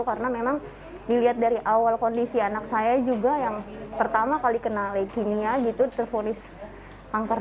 karena memang dilihat dari awal kondisi anak saya juga yang pertama kali kena lekingnya gitu terpolis kanker